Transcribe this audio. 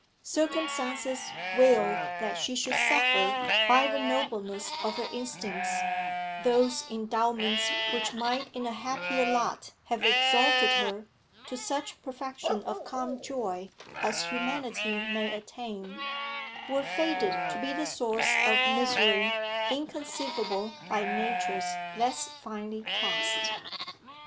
Circumstances willed that she should suffer by the nobleness of her instincts those endowments which might in a happier lot have exalted her to such perfection of calm joy as humanity may attain, were fated to be the source of misery inconceivable by natures less finely cast.